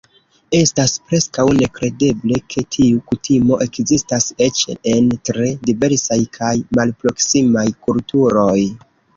Estas preskaŭ nekredeble, ke tiu kutimo ekzistas eĉ en tre diversaj kaj malproksimaj kulturoj.